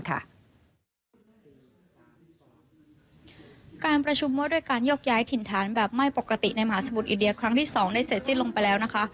การประชุมว่าด้วยการยกย้ายถิ่นฐานแบบไม่ปกติในมหาสมุทรอินเดียครั้งที่๒ได้เสร็จสิ้นลงไปแล้วนะคะ